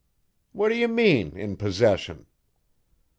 "What do you mean in possession?"